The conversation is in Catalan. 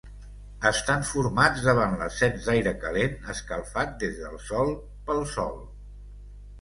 Estan formats davant l'ascens d'aire calent, escalfat des del sòl, pel sol.